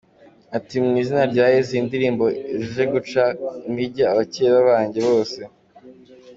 Ati “Mu izina rya Yesu, iyi ndirimbo ije guca intege abakeba banjye bose.